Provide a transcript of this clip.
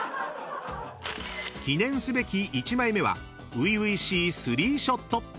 ［記念すべき１枚目は初々しいスリーショット］